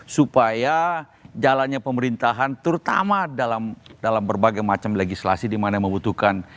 supaya jalannya pemerintahan terutama dalam dalam berbagai macam legislasi dimana membutuhkan